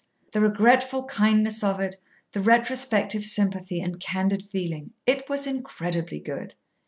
The regretful kindness of it, the retrospective sympathy and candid feeling! It was incredibly good!